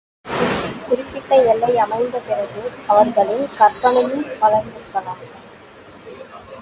குறிப்பிட்ட எல்லை அமைந்த பிறகு, அவர்களின் கற்பனையும் வளர்ந்திருக்கலாம்.